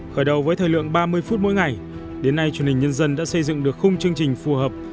khởi đầu với thời lượng ba mươi phút mỗi ngày đến nay truyền hình nhân dân đã xây dựng được khung chương trình phù hợp